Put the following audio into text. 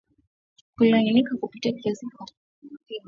Kulainika kupita kiasi kwa figo